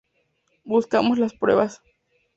Buscamos las pruebas.